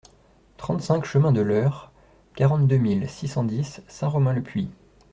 trente-cinq chemin de l'Heurt, quarante-deux mille six cent dix Saint-Romain-le-Puy